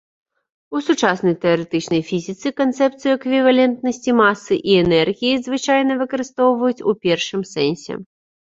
У сучаснай тэарэтычнай фізіцы канцэпцыю эквівалентнасці масы і энергіі звычайна выкарыстоўваюць у першым сэнсе.